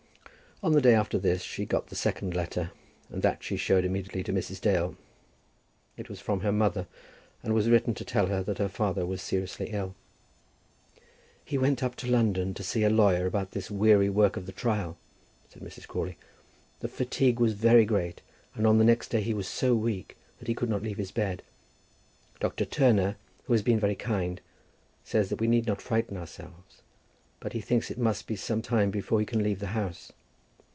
On the day after this she got the second letter, and that she showed immediately to Mrs. Dale. It was from her mother, and was written to tell her that her father was seriously ill. "He went up to London to see a lawyer about this weary work of the trial," said Mrs. Crawley. "The fatigue was very great, and on the next day he was so weak that he could not leave his bed. Dr. Turner, who has been very kind, says that we need not frighten ourselves, but he thinks it must be some time before he can leave the house.